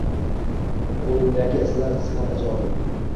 Qulingdagi izlar qismat ijodi